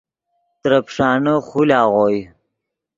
ترے پیݰانے خول آغوئے